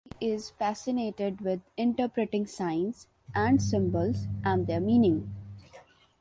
He is fascinated with interpreting signs and symbols, and their meaning.